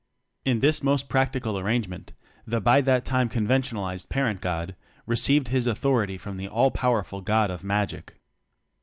In this most practical arrangement, the (by that time conventionalized) parent god received his authority from the All powerful God of Magic.